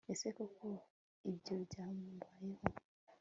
ese koko ibyo byamubayeho